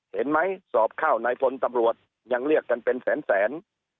เห็นไหมสอบข้าวนายพลตำรวจยังเรียกกันเป็นแสน